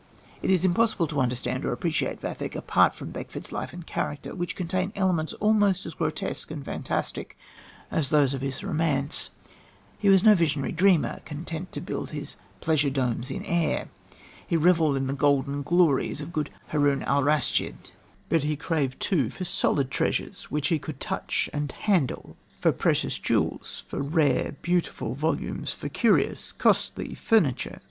It is impossible to understand or appreciate Vathek apart from Beckford's life and character, which contain elements almost as grotesque and fantastic as those of his romance. He was no visionary dreamer, content to build his pleasure domes in air. He revelled in the golden glories of good Haroun Alraschid, but he craved too for solid treasures he could touch and handle, for precious jewels, for rare, beautiful volumes, for curious, costly furniture.